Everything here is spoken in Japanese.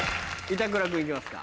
板倉君行きますか。